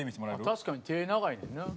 確かに手長いねんな。